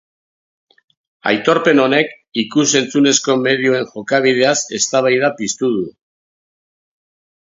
Aitorpen honek ikus-entzunezko medioen jokabideaz eztabaida piztu du.